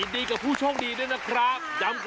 นี่ฉันพร้อมมาก